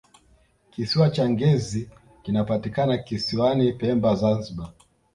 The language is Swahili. kisiwa cha ngezi kinapatikana kisiwani pemba zanzibar